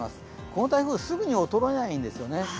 この台風、すぐに衰えないんですよね。